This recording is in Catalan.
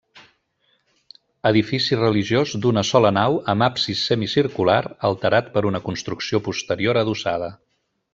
Edifici religiós d'una sola nau amb absis semicircular alterat per una construcció posterior adossada.